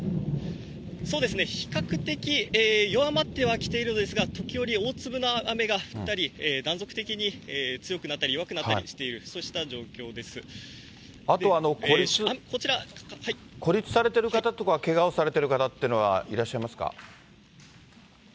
比較的、弱まってはきているのですが、時折大粒の雨が降ったり、断続的に強くなったり弱くなったりしている、そうした状況であと、孤立されてる方とかけがをされてる方っていうのはいらっしゃいますか。